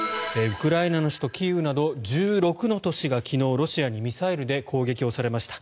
ウクライナの首都キーウなど１６の都市が昨日、ロシアにミサイルで攻撃をされました。